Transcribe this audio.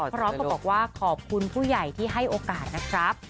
พร้อมกับบอกว่าขอบคุณผู้ใหญ่ที่ให้โอกาสนะครับ